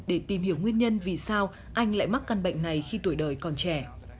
để tìm hiểu nguyên nhân vì sao anh lại mắc căn bệnh này khi tuổi đời còn trẻ